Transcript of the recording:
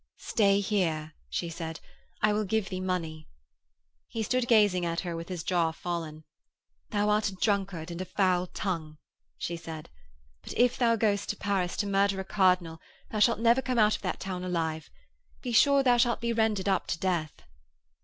'Stay here,' she said. 'I will give thee money.' He stood gazing at her with his jaw fallen. 'Thou art a drunkard and a foul tongue,' she said, 'but if thou goest to Paris to murder a cardinal thou shalt never come out of that town alive. Be sure thou shalt be rendered up to death.'